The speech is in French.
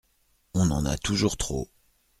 On en a toujours trop.